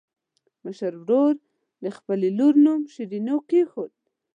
مشر ورور د خپلې لور نوم شیرینو کېښود.